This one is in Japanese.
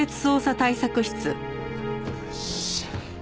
よっしゃ！